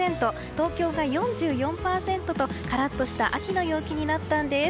東京が４４％とカラッとした秋の陽気になったんです。